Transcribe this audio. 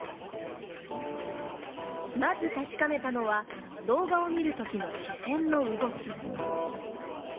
まず確かめたのは動画を見るときの視線の動き。